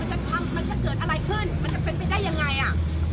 จะทำมันจะเกิดอะไรขึ้นมันจะเป็นไปได้ยังไงอ่ะ